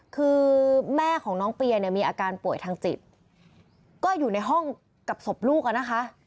คือแม่ของน้องเปียเนี่ยมีอาการป่วยทางจิตก็อยู่ในห้องกับศพลูกอ่ะนะคะ